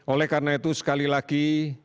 oleh karena itu sekali lagi